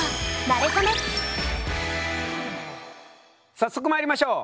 早速まいりましょう。